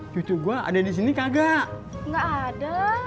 cucu gua ada di sini kagak gak ada